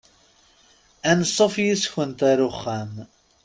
Ansuf yes-kent ar uxxam.